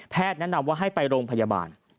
ไปโรงพยาบาล